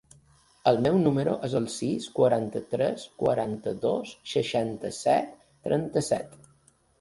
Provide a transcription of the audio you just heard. El meu número es el sis, quaranta-tres, quaranta-dos, seixanta-set, trenta-set.